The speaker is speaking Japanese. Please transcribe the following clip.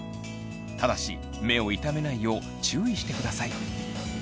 ただし目を痛めないよう注意してください。